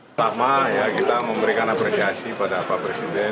pertama ya kita memberikan apresiasi pada pak presiden